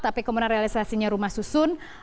tapi kemudian realisasinya rumah susun